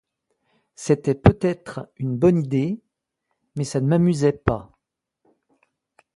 C'était peut-être une bonne idée, mais ça ne m'amusait pas.